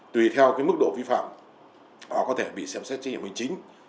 tùy theo mức độ vi phạm có thể bị xem xét trách nhiệm hình chính